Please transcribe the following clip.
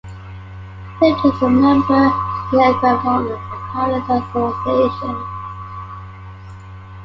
Lipton is a member of the Aircraft Owners and Pilots Association.